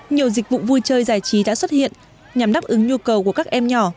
nhiều dịch vụ vui chơi giải trí đã xuất hiện nhằm đáp ứng nhu cầu của các em nhỏ